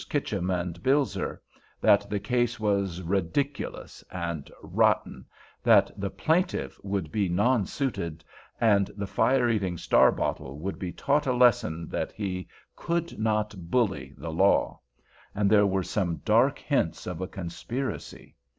Kitcham and Bilser, that the case was "ridiculous" and "rotten," that the plaintiff would be nonsuited, and the fire eating Starbottle would be taught a lesson that he could not "bully" the law—and there were some dark hints of a conspiracy.